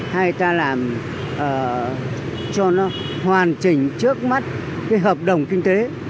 hay ta làm cho nó hoàn chỉnh trước mắt cái hợp đồng kinh tế